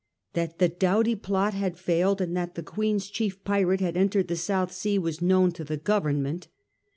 That the Doughty plot had failed, and that the Queen's chief pirate had entered the South Sea, was known to the Government.